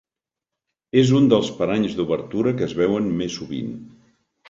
És un dels paranys d'obertura que es veuen més sovint.